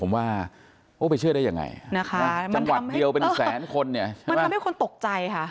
ผมว่าโอ้ไปเชื่อได้ยังไงนะคะจังหวัดเดียวเป็นแสนคนเนี่ยมันทำให้คนตกใจค่ะ